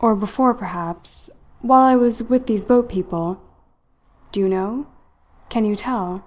"Or before, perhaps while I was with these boat people? Do you know? Can you tell?"